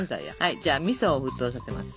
じゃあみそを沸騰させます。